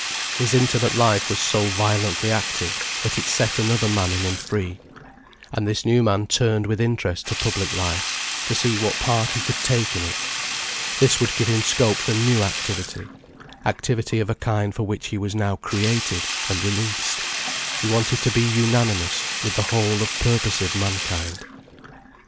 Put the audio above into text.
His intimate life was so violently active, that it set another man in him free. And this new man turned with interest to public life, to see what part he could take in it. This would give him scope for new activity, activity of a kind for which he was now created and released. He wanted to be unanimous with the whole of purposive mankind.